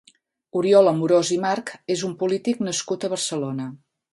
Oriol Amorós i March és un polític nascut a Barcelona.